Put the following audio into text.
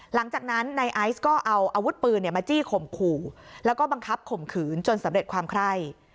หลังจากนั้นนายไอซ์ก็เอาอาวุธปืนมาจี้ข่มขู่แล้วก็บังคับข่มขืนจนสำเร็จความไคร่